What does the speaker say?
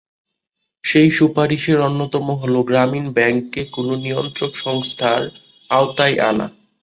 সেই সুপারিশের অন্যতম হলো গ্রামীণ ব্যাংককে কোনো নিয়ন্ত্রক সংস্থার আওতায় আনা।